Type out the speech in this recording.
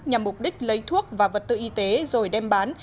nhằm mục đích lấy thuốc và vật tư y tế rồi đem bán